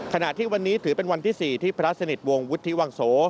ขณะที่วันนี้ถือเป็นวันที่๔ที่พระสนิทวงศ์วุฒิวังโส